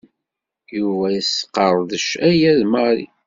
Yuba yesqerdec aya d Mary.